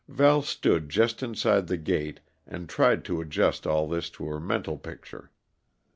Val stood just inside the gate and tried to adjust all this to her mental picture.